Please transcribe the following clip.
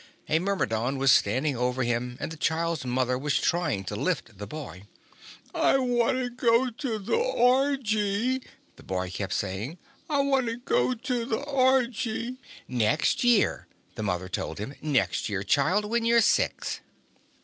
A Myrmidon was standing over him, and the child's mother was trying to lift the boy. "I wanna go to the orgy," the boy kept saying. "I wanna go to the orgy." "Next year," the mother told him. "Next year, child, when you're six."